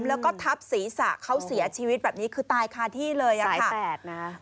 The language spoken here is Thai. แล้วก็ทับศีรษะเขาเสียชีวิตแบบนี้คือตายคาที่เลยอ่ะหลายแปดนะ